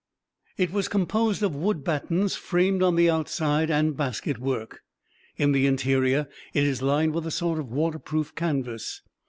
It was "composed of wood battens framed on the outside and basketwork. In the interior it is lined with a sort of waterproof canvas.